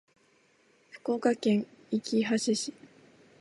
福岡県行橋市